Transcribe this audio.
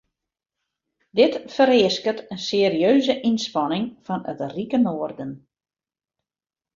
Dit fereasket in serieuze ynspanning fan it rike noarden.